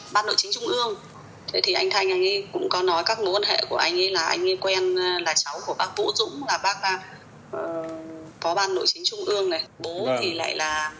ban nội chính trung ương anh thanh cũng có nói các mối quan hệ của anh ấy là anh ấy quen là cháu của bác vũ dũng là bác phó ban nội chính trung ương này